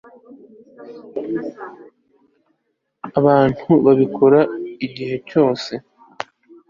abantu babikora igihe cyose